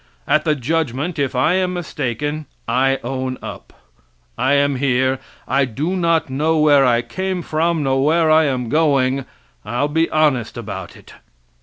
At the judgment, if I am mistaken I own up I am here, I do not know where I came from, nor where I am going I'll be honest about it.